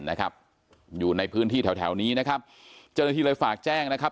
นะครับอยู่ในพื้นที่แถวนี้นะครับจะเลยฝากแจ้งนะครับ